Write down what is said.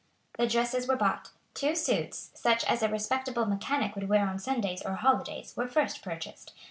The dresses were bought. Two suits, such as a respectable mechanic would wear on Sundays or holidays, were first purchased.